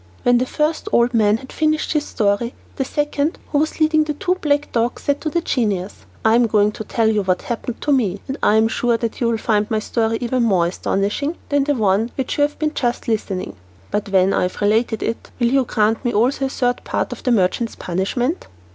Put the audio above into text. When the first old man had finished his story, the second, who was leading the two black dogs, said to the genius, "I am going to tell you what happened to me, and I am sure that you will find my story even more astonishing than the one to which you have just been listening. But when I have related it, will you grant me also the third part of the merchant's punishment?"